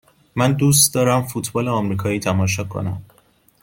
من دوست دارم فوتبال آمریکایی تماشا کنم.